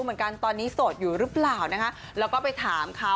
เหมือนกันตอนนี้โสดอยู่หรือเปล่านะคะแล้วก็ไปถามเขา